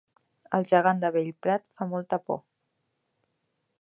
El gegant de Bellprat fa molta por